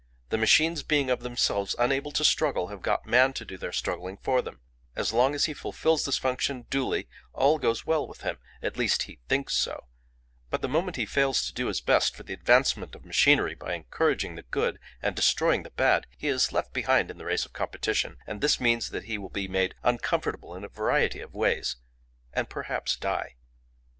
The machines being of themselves unable to struggle, have got man to do their struggling for them: as long as he fulfils this function duly, all goes well with him—at least he thinks so; but the moment he fails to do his best for the advancement of machinery by encouraging the good and destroying the bad, he is left behind in the race of competition; and this means that he will be made uncomfortable in a variety of ways, and perhaps die.